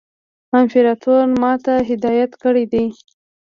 امپراطور ما ته هدایت کړی دی.